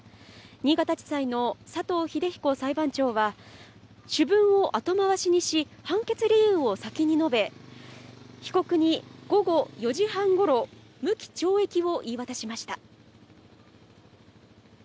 新潟地裁の佐藤英彦裁判長は、主文を後回しにし、判決理由を先に述べ、被告に午後４時半ごろ、無期懲役を言い渡しました。